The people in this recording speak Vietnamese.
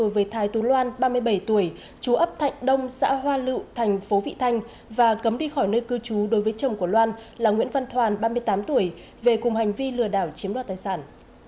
với vị thanh và cấm đi khỏi nơi cư trú đối với chồng của loan là nguyễn văn thoàn ba mươi tám tuổi về cùng hành vi lừa đảo chiếm đoạt tài sản